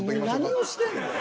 何をしてんねん。